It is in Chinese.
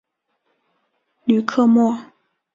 吕克莫。